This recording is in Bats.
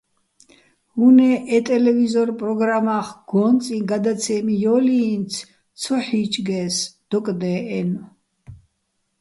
უ̂ნე́ ე ტელევიზორ პროგრამა́ხ გო́ნწიჼ გადაცემი ჲო́ლჲიინცი̆, ცო ჰ̦იჭგე́ს დოკდე́ჸენო̆.